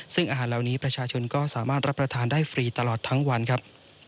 ซึ่งอาหารเหล่านี้ประชาชนก็สามารถรับประทานได้ฟรีตลอดทั้งวันครับ